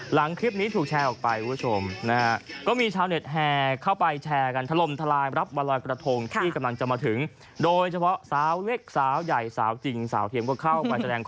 หลังคลิปนี้ถูกแชร์ออกไปคุณผู้ชมนะฮะ